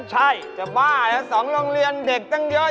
ใช่จะบ้าแล้ว๒โรงเรียนเด็กตั้งเยอะ